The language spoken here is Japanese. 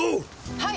はい！